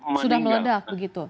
sudah meledak begitu